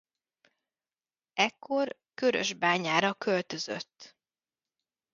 Ekkor Körösbányára költözött.